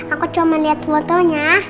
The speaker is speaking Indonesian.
aku cuma liat fotonya